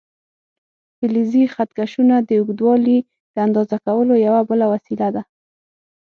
فلزي خط کشونه د اوږدوالي د اندازه کولو یوه بله وسیله ده.